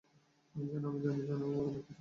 যেন আমি জানি, যেন ও আমায় কিছু বলে?